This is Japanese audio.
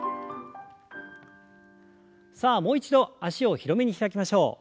さあもう一度脚を広めに開きましょう。